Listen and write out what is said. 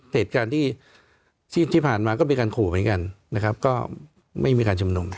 เหตุการณ์ที่ผ่านมาก็มีการขู่เหมือนกันนะครับก็ไม่มีการชุมนุม